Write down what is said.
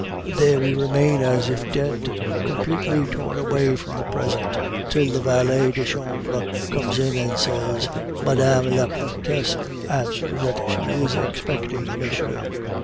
Then we remain as if dead, completely torn away from the present till the valet de chambre comes in and says, "Madame la comtesse answers that she is expecting monsieur."